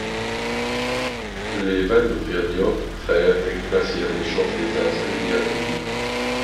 Les Vanes offrent Niord, Freyr, et Kvasir, en échange des Ases Hœnir et Mímir.